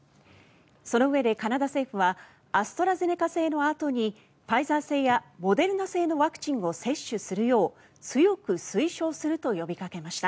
そのうえでカナダ政府はアストラゼネカ製のあとにファイザー製やモデルナ製のワクチンを接種するよう強く推奨すると呼びかけました。